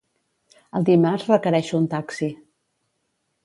El dimarts requereixo un taxi.